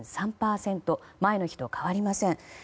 前の日と変わりません。